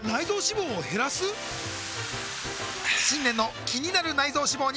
新年の気になる内臓脂肪に！